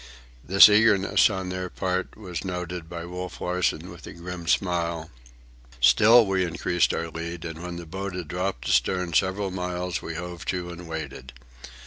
This eagerness on their part was noted by Wolf Larsen with a grim smile. Still we increased our lead, and when the boat had dropped astern several miles we hove to and waited.